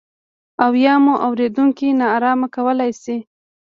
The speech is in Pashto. او یا مو اورېدونکي نا ارامه کولای شي.